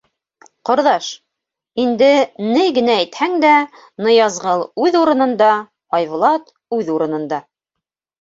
— Ҡорҙаш, инде ни генә әйтһәң дә, Ныязғол үҙ урынында, Айбулат үҙ урынында.